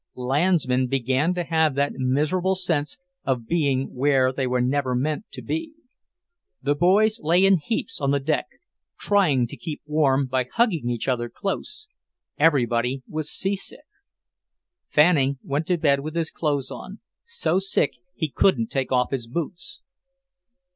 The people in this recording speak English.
Landsmen began to have that miserable sense of being where they were never meant to be. The boys lay in heaps on the deck, trying to keep warm by hugging each other close. Everybody was seasick. Fanning went to bed with his clothes on, so sick he couldn't take off his boots.